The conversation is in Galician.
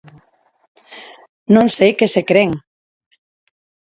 Non sei que se cren.